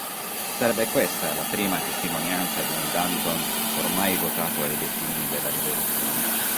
Sarebbe questa la prima testimonianza di un Danton ormai votato ai destini della Rivoluzione.